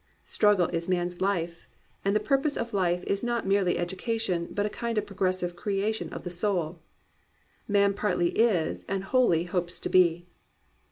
Struggle is man*s life; and the pur pose of life is not merely education, but a kind of progressive creation of the soul. "Man partiy is and wholly hopes to be."